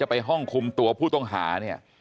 ไปห้องคุมตัวผู้ต้องหา